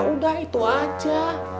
udah itu aja